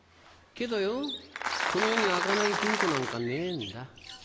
けどよこの世に開かない金庫なんかねえんだ。